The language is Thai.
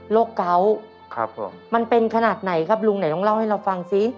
เกาะมันเป็นขนาดไหนครับลุงไหนต้องเล่าให้เราฟังซิ